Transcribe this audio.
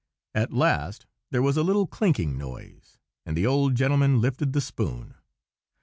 At last there was a little clinking noise, and the old gentleman lifted the spoon.